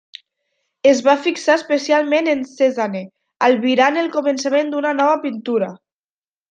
Es va fixar especialment en Cézanne, albirant el començament d'una nova pintura.